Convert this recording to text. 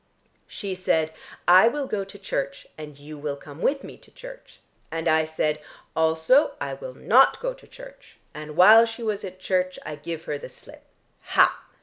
She said 'I will go to church, and you will come with me to church,' and I said 'Also I will not go to church,' and while she was at church, I give her the slip. Ha!"